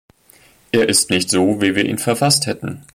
Er ist nicht so, wie wir ihn verfasst hätten.